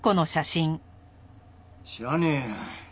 知らねえよ。